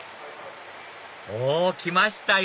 お来ましたよ